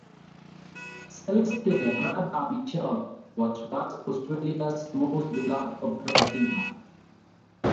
Celeste (Radha Mitchell) was once Australia’s most beloved opera singer.